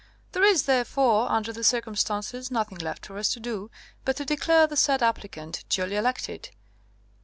There is, therefore, under the circumstances, nothing left for us to do but to declare the said applicant duly elected.